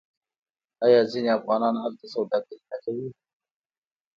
آیا ځینې افغانان هلته سوداګري نه کوي؟